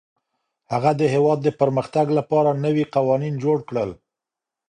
هغه د هېواد د پرمختګ لپاره نوي قوانین جوړ کړل.